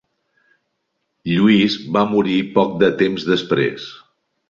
Lluís va morir poc de temps després.